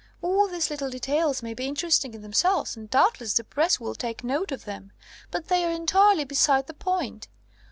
All these little details may be interesting in themselves, and doubtless the press will take note of them; but they are entirely beside the point.